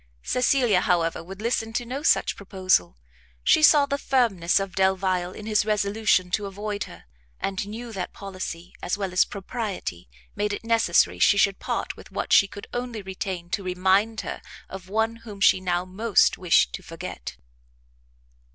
Cecilia, however, would listen to no such proposal; she saw the firmness of Delvile in his resolution to avoid her, and knew that policy, as well as propriety, made it necessary she should part with what she could only retain to remind her of one whom she now most wished to forget.